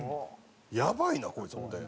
やばいなこいつ思うて。